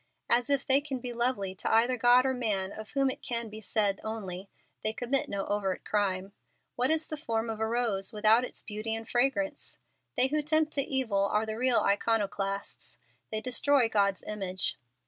As if they can be lovely to either God or man of whom it can be said only, They commit no overt crime. What is the form of a rose without its beauty and fragrance? They who tempt to evil are the real iconoclasts. They destroy God's image.